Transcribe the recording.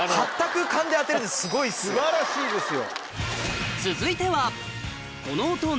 素晴らしいですよ。